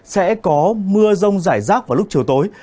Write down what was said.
sẽ có mưa rông rải rác vào lúc chiều tối